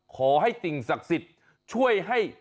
ขอให้สิ่งศักดิ์สิทธิ์ช่วยให้